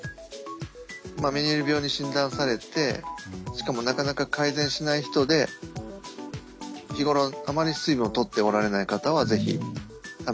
メニエール病に診断されてしかもなかなか改善しない人で日頃あまり水分をとっておられない方は是非試していただきたいと思います。